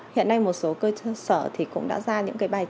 hiện nay một số cơ sở cũng đã ra những bài truyền